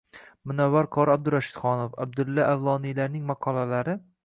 Munavvar qori Abdurashidxonov, Abdulla Avloniylarning maqolalari